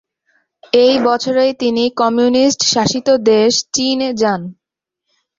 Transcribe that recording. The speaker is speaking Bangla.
এই বছরেই তিনি কমিউনিস্ট শাসিত দেশ, চীন যান।